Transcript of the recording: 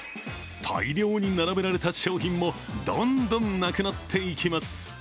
大量に並べられた商品もどんどんなくなっていきます。